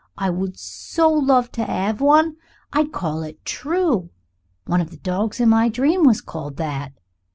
I would so like to have one. I'd call it 'True.' One of the dogs in my dream was called that.